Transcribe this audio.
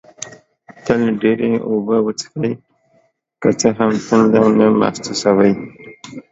تل ډېري اوبه وڅېښئ، که څه هم تنده نه محسوسوئ